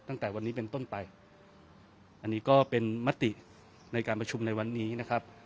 ตั้งแต่วันนี้เป็นต้นไปอันนี้ก็เป็นมติในการประชุมในวันนี้นะครับ